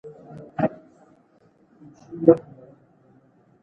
د پوهې په واسطه، کلیواله ټولنه ډیر انعطاف منونکې کېږي.